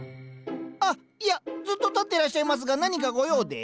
あっいやずっと立っていらっしゃいますが何かご用で？